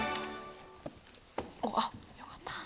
あっよかった。